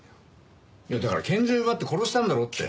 いやだから拳銃奪って殺したんだろって。